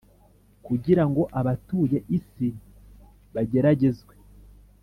kugira ngo abatuye isi bageragezwe